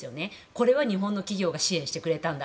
これは日本の企業が支援してくれたんだ